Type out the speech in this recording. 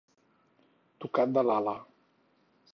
Tocat de l'ala.